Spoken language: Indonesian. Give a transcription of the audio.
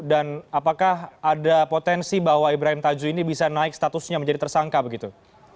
dan apakah ada potensi bahwa ibrahim tajuh ini bisa naik statusnya menjadi tersangka begitu